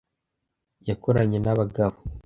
Yakoranye n'abagabo.